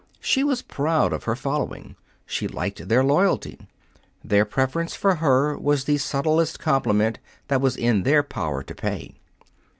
She was proud of her following. She liked their loyalty. Their preference for her was the subtlest compliment that was in their power to pay.